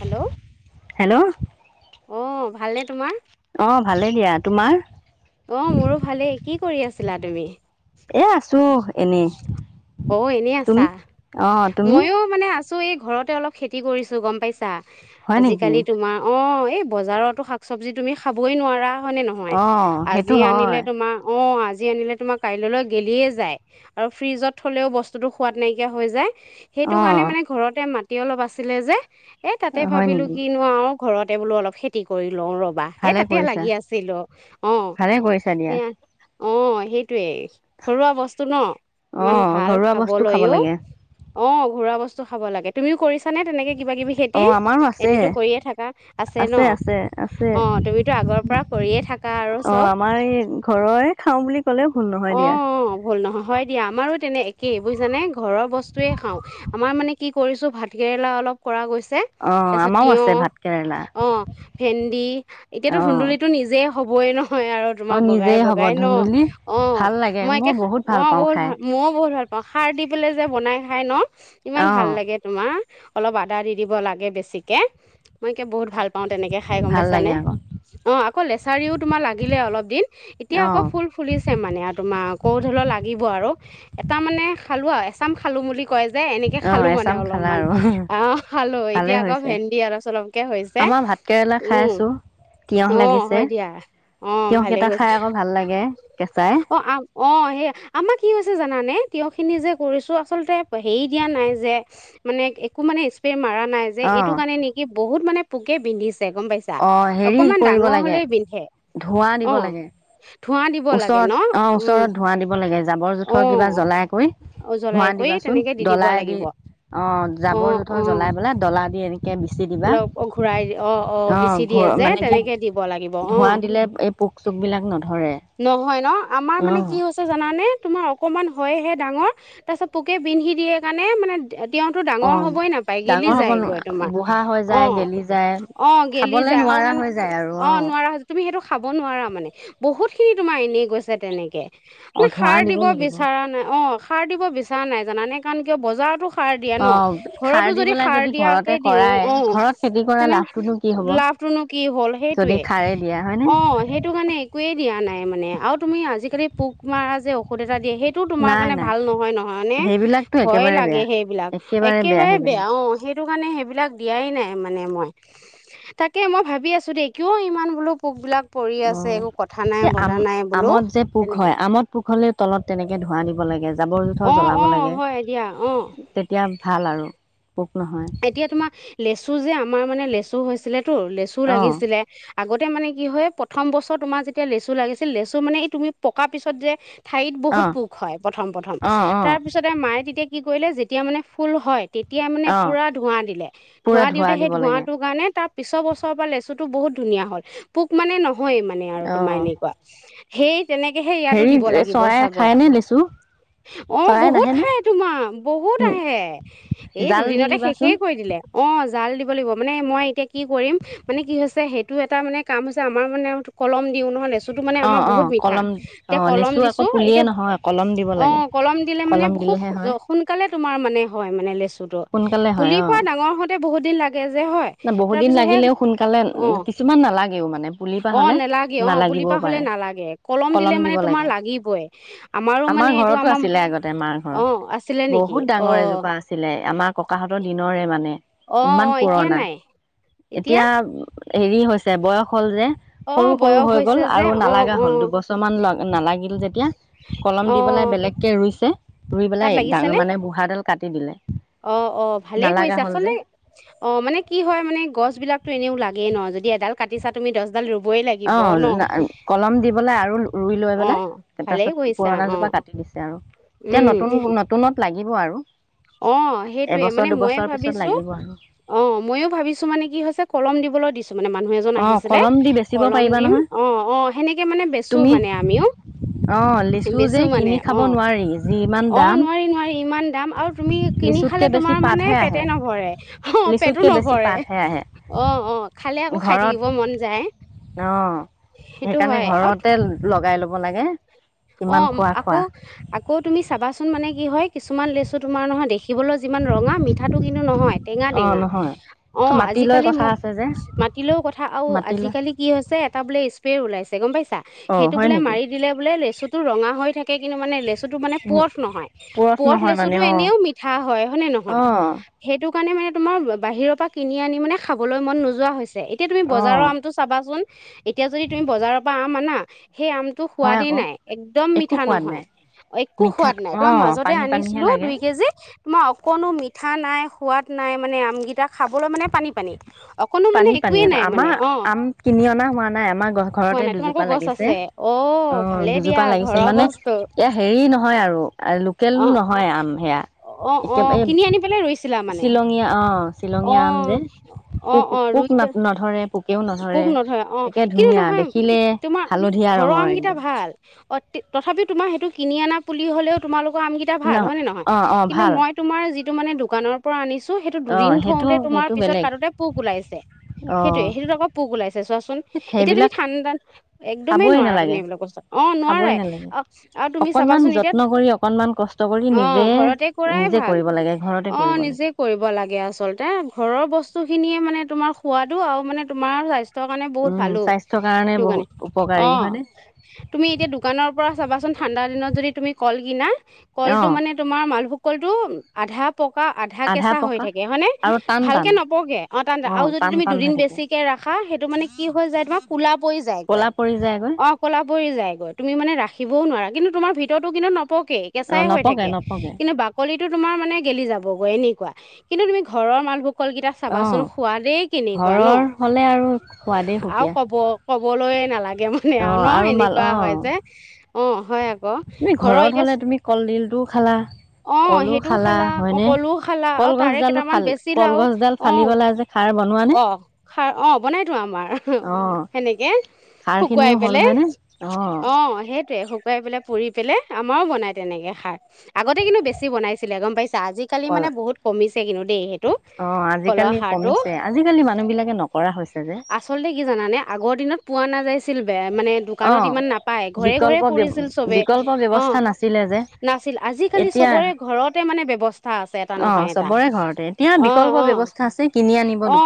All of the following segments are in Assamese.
হেল্ল' অহ ভালনে তোমাৰ অ ভালে দিয়া তোমাৰ ছিলা তুমি এ আছো অ এনেই আছা মইো মানে আছ চো এই ঘৰতে অলপ খেতি কৰিছোঁ গম পাইছা আজি কালি তোমাৰ অ এই বজাৰতো শাক চবজি তুমি খাবই নোৱাৰা ানে নহয় আজি আনিলে তোমাৰ অ আজি আনিলে তোমাৰ কাইলৈলৈ গেলিয়ে যায় আৰু ফ্ৰিজত থ'লেও বস্তুটো সোৱাদ নাইকিয়া হৈ যায় সেইটো কাৰণে মানে ঘৰতে মা এতিয়া অলপ আছিলে যে এ তাতে ভাবিলো কিিনো ঘৰতে বোলো অলপ খেতি কৰি লওঁ ৰবা সেই তাতে লাগি আছিলো অ সেয়া অঁ সেইটোৱেই ঘৰুৱা বস্তু ন ইমান ভাল খাবলৈও অ ঘুৰা বস্তু খাব লাগে তুমিও কৰিছ তেনেকে কিবা কিবি খেতি এনেো কৰিয়ে থ আছে ন অ তুমিতটো আগৰ পৰা কৰিয়ে থাকা আৰু চব অ ভুল নহয় তেনে একেই বুজিানে ঘৰৰ বস্তুৱয়ে খাওঁ আমাৰ মানে কি কৰিছো ভাত কেৰেলা অলপ কৰা গৈছে তাৰপিছত তিয়হ অ ভেন্দি এতিয়াাতো ধুন্দুলিটো নিজে হ'বই ন হয় আৰু তোমাৰ বগাই বগাই ন অ মই একে অ বহুত মই বহু ভাল অসাৰ দি পেললে যে বনাই সাই ন ইমান ভাল লাগে তোমাৰ অলপ আদা দি দিব লাগে বেছিকে মই এে বহুত ভাল পাওঁ তেনেকে খাই গম পাইছানে অ আকৌ লেচাৰীও তোমাৰ লাগিলে অলপ দিন এতিয়া আকৌ ফুল ফুলিছে মানে আৰু তোমাৰ কৌ ধল লাগিব আৰু এটা মানে খালো আৰু এচাম খালো বুলি কয় যে যে এনেকে খালো মানে অলপমান অ খালো এতিয়া আকৌ ভেন্দি আলচলমকে হৈছে উম অ হয় দিয়া অ ভালেই গৈছে অ অ সেই আমাৰ কি হৈছে জানানে তিঁয়হখিনি যে কৰিছোঁ আচলতে হেই দিয়া নাই যে মানে একো মানে স্প্ৰে মাৰা নাই যে এইটো কাৰণে নেকি বহুত মানে পোকে বিন্ধিছে অ হেৰি কৰিব লাগে ধোঁৱা দিব লাগে ওচৰত অ ওচৰত ধোঁৱা দিব লাগে জাবৰ য জোঁঠৰ কিবা জ্বলাই কৰি ধৱা দিবাচোন ডলাই দি অ জাবৰ জোথৰ জ্বলাই পেলাই ডলাই দি এনে কে বি অলপ অ ঘূৰাই অ, অ। বাছিদিয়ে যে তেনেকে দিব লাগিব অ নহয় ন আমাৰ মানে কি হৈছে জানানে তোমাৰ অকণমান হয়হে ডাঙৰ তাৰপিছত পোকে বিন্ধি দিয়ে কাৰণে মানে। তিয়হটো ডাঙৰ হ'বই নাপায় গেলি যায়গৈ তোমাৰ। ঘা হৈ যায়, গেলি যায়, খাবলে নোৱাৰা হৈ যায় আৰু অ'। সইটো খাব নোৱাৰা মানে বহুত খিনি তোমাৰ এনেই গৈছে তেনেকে। আমি সাৰ দিব বিচৰা নাই, অ'। সাৰ দিব বিচৰা নাই জানানে কাৰণ কিয় বজাৰতো সাৰ দিয়া ন' ঘৰতো যদি সাৰ দিয়াকে দিওঁ অ' তেনে লাভটোনো কি হ'ল। সেইটোয়ে অ' সেইটো কাৰণে একোয়েই দিয়া নাই মানে আৰু তুমি আজিকালি পোক মাৰা যে ঔষধ এটা দিয়ে, সেইটো তোমাৰ কাৰণে ভাল নহয়, নহয় হয়নে? ভয় লাগে সেইবিলাক একেবাৰে বেয়া অ' সেইটো কাৰণে সেই। বিলাক দিয়াই নাই মানে মই, তাকে মই ভাবি আছো দেই কিয় ইমান বোলো পোকবিলাক? অ', এই আম আমতযে পোক হয়, আমত পোক হলে তলত তেনেকে ধোঁৱা দিব লাগে জাবৰ জোথৰ জ্বলাব লাগে তেতিয়া ভাল আৰু এতিয়া তোমাৰ লেচু যে আম আমাৰ মানে লেচু হৈছিলে লেচু লাগিছিলেঁ। আগতে মানে কি হয় প্ৰথম বছৰ তোমাৰ যেতিয়া লেচু লাগিছিল, লেচু মানে এই তুমি পকা পিছত যে ঠাইত বহুত পোক হয় প্ৰথম, প্ৰথম তাৰ পিছতে মায়ে তেতিয়া কি কৰিলে যেতিয়া মানে ফুল হয় তেত এতিয়া মানে পুৰা ধোঁৱা দিলে, ধোঁৱা দিওঁতে সেই ধোঁৱাটোৰ কাৰণে তাত পিছৰ বছৰৰ পৰা লেচু টো বহুত ধুনীয়া হ'ল, পোক মানে ন হয় মানে আৰু তোমাৰ এনেকুৱা। সেই তেনেকেহে ইয়াতো দিব লাগিব চাগৈ। অ' বহুত খায় তোমাৰ, বহুত আহে। এই দুদিনতে শেষে কৰি দিলে, অ' জাল দিব লাগিব, মানে মই এতিয়া কি কৰিম, মানে কি হৈছে সেইটো এটা মানে কাম হৈছে, আমাৰ মানে কলম দিওঁ নহয় লেচ ওটো মানে আমাৰ বহুত মিঠা। এতিয়া কলম দিছোঁ, এতিয়া, অ' কলম দিলে মানে খুব সোনকালে তোমাৰ মানে হয় মানে লেচু [inaudible] পুলিৰপৰা ডাঙৰ হওঁতে বহুত দিন লাগে যে হয় তাৰপিছত সেই অ আহ নালাগে অ পুলিিৰপা হলে নালাগে কলম দিলে মানে তোমাৰ লাগিবই আমাৰো মানে এইটো আমাৰ অ আছিলে নেকি অ আমাৰ ককাহঁতৰ দিনৰৰে মানে? ইমান পুৰণা এতিয়া হেৰি হৈছে বয়স হ'ল যে সৰু সৰু হৈ গ'ল আৰু নালাগা হ'ল দুবছৰ মান নালাগিল যেতিয়া কলম দি পেলাই বেলেগকে ৰুইছে ৰুই পেলাই মানে বুঢ়াডাল। কাটি দিলে অ অ ভালেই কৰিছে আচলতে অ মানে কি হয় মানে গছ বিলাকতো এনেও লাগেই ন যদি ডাল কাটিছা তুমি দহ দিন। অ কলম দি পেলাই আৰু ৰুই লৈ পেলাই তাৰিছত পুৰণা জোপা কাটি দিছে আৰু এতিয়া নতুন নতুনত লাগিব আৰু অ সেইটয়ে মানে মইয়ে ভাবিছো অ ময়ো ভাবিছো মানে কি হৈছে কলম দিবলৈ দিছো তাৰ মানে মানুহৰ এজন আহিছিলে অলপ দিন অ অ হেনেকে মানে বেছো আমিও বেছো মানে অ নহয় নহয় ইমান দাম। তুমি কিনি খালে তুমাৰ মানে পেটে নভৰে পেটো নহ'লে উম। ঘৰত অঁ সেইকাৰণে ঘৰতে লগাই ল'ব। হ'ব লাগে। অ আকৌ আকৌ তুমি চাবাচোন মানে কি হয় কিছুমান লেছো তোমাৰ নহয় দেখি াকিবলৈ যিমান ৰঙা মিঠাটো কিন্তু নহয় টেঙা টেঙা অ আজিকালি মোক মাতিলেও কথা আৰু আজিকালি কি হৈছে ত বোলে স্পে ওলাইছে গম পাইছ। সোনিছা সেইটো মানে? ৰঙা হৈ থাকে কিন্তু মানে লে যদি মানে পূৰঠ নহয় পূৰঠ বস্তু টো এনেও মিঠাহয়নে নহয় সেইটো? কাৰণে মানে তোমাৰ বাহিৰৰ পৰা কিনি আনি মানে খাবলৈ মন নোযোৱা হৈছে এতিয়া তুমি বজাৰৰ আমটো চাবাচোন। এতিয়া যদি তুমি বজাৰৰ পৰা আম আনা। সেই আমটো সোৱাদেই নাই একদম মিঠা নহয় একো সোৱাদ নাই তোমাৰ মাজতে আনিছিলো দুই কেজি তোমাৰ অকণো মিঠা নাই সোৱাদ নাই মানে আমকেইটা খাবলৈ মানে পানী পানী। পানী পানী আকৌ আমাৰ আম কিনি অনা হোৱা নাই আমাৰ ঘৰতে দুজোপা লাগিছে অ দুজোপা কিবা লাগিছে মানে এয়া হেৰি নহয় আৰু লোকেল নহয় আম সেয়া একেবাৰে শ্বিলঙীয়া অ শ্বিলনীয়া আম যে কোক। পোক ন নধৰে পোকেও নধৰে একে ধুনীয়া দেখিলে হালধীয়া ৰঙৰ একদম অ তথাপি তোমাৰ সেইটো কিনি অনা বুলি হলেও তোমালোক কাম কেইটা ভাল হয় নে নহয় কিন্তু মই তোমাৰ যিটো মানে দোকানৰ পৰা আনিছো সেইটো দুদিণ থওঁতে তোমাৰ পিছত কাটোতে পোক ওলাইছে সেইটোয়ে সেইটোত আকৌ পোক ওলাই চোৱাচোন শুন এতিয়া তুমি ঠাণ্ডা একদমেই নোৱাৰা তুমি এইবিলাক বস্তু অ নোৱাৰাৰে আহ আৰু তুমি চাবাচোন এতিয়া অ ঘৰতে কৰাই ভাল অ নিজে কৰিব লাগে আচলতে ঘৰৰ বস্তু খিনিয়ে মানে তোমাৰ সোৱাদো আৰু মানে তোমাৰ স্বাস্থ্য ত কাৰণে বহুত ভালো সেইটো কাৰণে অ তুমি এতিয়া দোকানৰ পৰা চাবাচোন ঠাণ্ডা দিনত যদি তুমি কল কিনা কল টো মানে তোমাৰ মালভোগ কলটো আধা পকা আধা কেঁচা হৈ থাকে হয়নে ভালকে নপকে অ তাৰ আৰু যদি তুমি দুদিন বেছিকে ৰাখা সেইটো মানে কি হৈ যায় তোমাৰ কলা পৰি যায়গৈ অ যায়গৈ তুমি মানে ৰাখিবও নোৱাৰা কিন্তু তোমাৰ ভিতৰতো কিন্তু নপকে কেঁচাই হৈ থাকে কিন্তু বাকলিটো তোমাৰ মানে গেলি যাবগৈ এনেকুৱা কিন্তু তুমি ঘৰৰ মালভোগ অ কলকেইটা খাবাচোন সোৱাদেই কেনেকুৱা ন আৰু কব কবলৈ নালাগে মানে আৰু ন এনেকুৱা হয় যে অ হয় আকৌ তুমি ঘৰত হলে তুমি কলডিল টো খালা অ সেইটোও খালা অ কললোও খালা আৰু তাৰে কেইটামান বেচি লাও অ অ খা অ বনাইতো আমাৰ অ সেনেকে শুকুৱাই পেলাই অ সেইটয়ে শুকুৱাই পেলাই পুৰি পেলাই আমাৰোও বনায় তেনেকৈ খাৰ আগতে কিন্তু বেছি বনাইছিলে গম পাইছে আজিকালি মানে বহুত কমিছে [unintelligible] কিনো দেই অ আজিকালি কমিছে আজিকালি মানুহ বিলাকে নকৰা হৈছে আচলতে কি জানে আগৰ দিনত পুৱা নাযাইছিল মানে দোকানত ইমান নাপায় ঘৰে ঘৰে কৰিছিল চবে অ নাছিল আজ কালি চবৰে ঘৰতে মানে ব্যৱস্থা আছে এটা নহয় এটা অ অ অ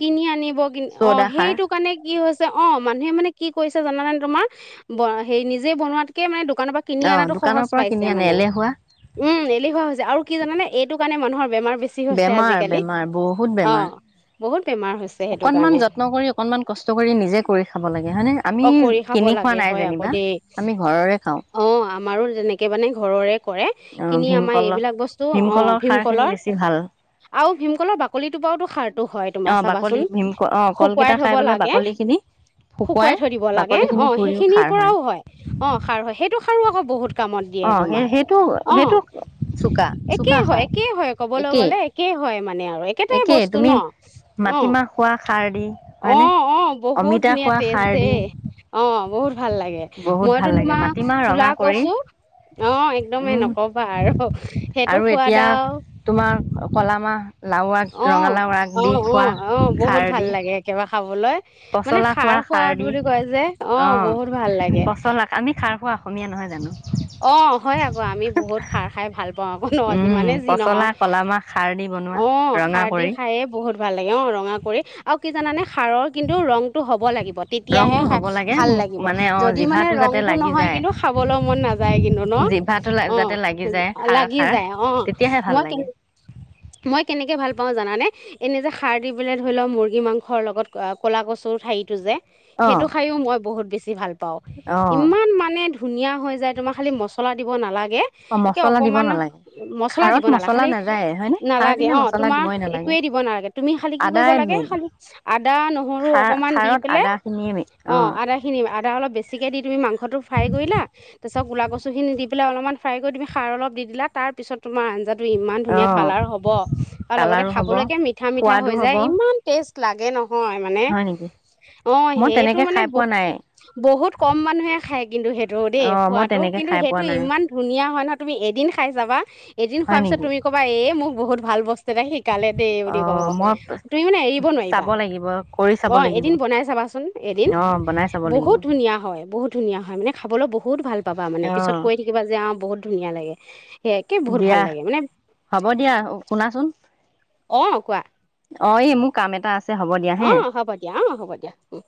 কিনি আনিব অ সেইটো কাৰণে কি হৈছে অ মানুহে মানে কি কৈছে কি হৈছে জানানে তোমাৰ হেৰি নিজে বনোৱাতকে মানে দোকানৰ পৰা কিনি অনাাতটো সহজ পাইছে মানে উম এলেহুৱা হৈছে আৰু কি জানেনে, এইটো কাৰণে মানুহৰ বেমাৰ বেমাৰ বেমাৰ বহুত বেমাৰ বহুত বেমাৰ হৈছে অকনমান যত্ন কৰি অকনমান কষ্ট কৰি নিজে কৰি খাব লাগে হয়নেে, আমি কিনি খোৱা নাই যেনিবা আমি ঘৰৰে খাওঁ কৰে কিনি আমাৰ এইবিলাক বস্তু অ ভীমকলৰ আৰু ভীমকলৰ বাকলিটোৰ পৰাওতো সাৰো হয় তোমাৰ চাবাচোন। শুকুৱাই থব লাগে, শুকুৱাই থৈ দিব লাগে অ সেইখিনিৰ পৰাও হয় অ সাৰ হয় সেইটো সাৰো আকৌ বহুত কামত দিয়ে তোমাৰ। অ, একেই হয় একেই হয়, ক'বলৈ গলে একেই হয় মানে আৰু একেই তুমি মাটিমাহ খোৱা অ অ বহুত ধুনীয়া টেষ্ট দেই অ বহুত ভাল লাগে মইতো তোমাৰ কুলা কৈছো অ একদমেই নকবা আৰু সেইটো খোৱাদ আৰু অহ অহ অহ বহুত ভাল লাগে একেবাৰে খাবলৈ। পচলা খোৱা খাৰ দি, অ পচলা আমি খাৰ খোৱা অসমীয়া নহয় জানো অ হয় আকৌ আমি বহুত খাৰ খাই ভাল পাওঁ আকৌ, ন যিমানে যি নহওক অ খাৰ দি খায়ে বহুত ভাল লাগে অ ৰঙা কৰি আৰু কি জানে খাৰৰ কিন্তু ৰংতটো হব লাগিব তেতিয়াহে ভাল লাগিব, যদি মানে ৰংতটো নহয় কিন্তু খাবলৈ মন নাযায়। ু অ ল য অ মই ম কে [unintelligible] ভাল পাওঁ জানানে, এনেইযে সাৰ দি পেলাই ধৰি লওক মুৰ্গী মাংসৰ লগত ক'লা কছুৰ ঠাৰিটো যে সেইটো খাইও মই বহুত বেছি কি ভাল প ইমান মানে ধুনীয়া হৈ যায় তোমাৰ খালি মছলা দিব নালাগে। [unintelligible] অ তোমাৰ এক দ নুমি খাল কৰিব লাগ আদা নহৰু অকমান দি প অ আদা খিনি [unintelligible] বেছিকে দি তুমি মাংসটো ফ্ৰাই কৰিলা গোলা কচু খিনি নিদি পেলই অলমান ফ্ৰাই কৰি দিম সাৰ অলপ দি দিলে তাৰ পিছত তোমাৰ আঞ্জাটো ইমান ধুনীয়া কালাৰ হ'ব আৰু লগতে খাবলৈকে মিঠা মিঠা হৈ যায় ইমান টেষ্ট লাগে ন হয় মানে, অ সেইটো মানে বহুত কম মানুহে খায় কিন্তু সেইটো দেই সোৱাদ কিন্তু সেইটো ইমান ধুনীয়া হয় নহয় তুমি এদিন খাই চাবা এদিন খোৱাৰ পিছত তুমি ক'বা এই মোক বহুত ভাল বস্তু দাদা শিকালে দেই বুলি কব তুমি মানে এৰিব নোৱাৰিবা অ এদিন বনাই চাবাচোন এদিন বহুত ধুনীয়া হয় বহুত ধুনীয়া হয় [unintelligible] হয় মানে খাবলৈ বহুত ভাল। পাবা মানে পিছত কৈ থাকিব যে আৰু বহুত ধুনীয়া লাগে দিয়া, হ'ব দিয়া। শুনাচোন অ' কোৱা অ' এই মোৰ কাম এটা আছে। অ' হ'ব দিয়া, অ' হ'ব দিয়া। উম'